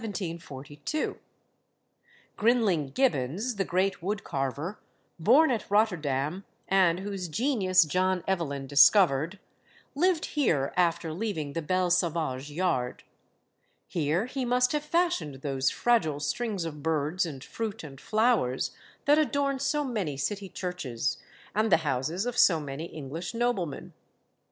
Grinling Gibbons, the great wood carver, born at Rotterdam, and whose genius John Evelyn discovered, lived here after leaving the Belle Sauvage Yard. Here he must have fashioned those fragile strings of birds and fruit and flowers that adorn so many city churches, and the houses of so many English noblemen.